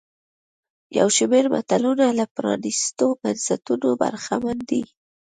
یو شمېر ملتونه له پرانیستو بنسټونو برخمن دي.